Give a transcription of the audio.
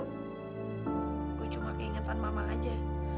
aku cuma keingetan mama aja